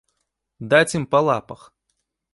Даць ім па лапах!